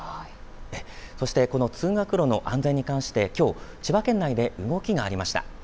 そして通学路の安全に関してきょう、千葉県内で動きがありました。